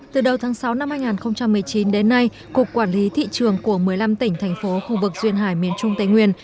từ đầu tháng sáu năm hai nghìn một mươi chín đến nay cục quản lý thị trường của một mươi năm tỉnh thành phố khu vực duyên hải miền trung tây nguyên